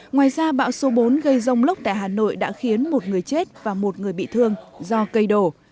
ngoài ra bão số bốn gây rông lốc tại hà nội đã khiến một người chết và một người bị thương do cây đổ